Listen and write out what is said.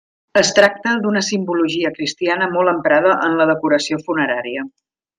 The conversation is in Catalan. Es tracta d'una simbologia cristiana molt emprada en la decoració funerària.